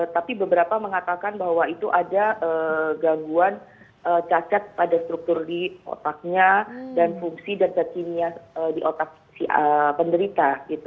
tapi beberapa mengatakan bahwa itu ada gangguan cacat pada struktur di otaknya dan fungsi dan kekinian di otak si penderita